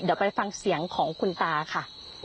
เดี๋ยวไปฟังเสียงของคุณตาค่ะ